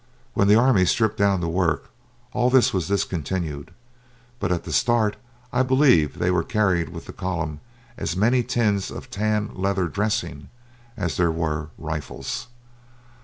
When the army stripped down to work all this was discontinued, but at the start I believe there were carried with that column as many tins of tan leather dressing as there were rifles.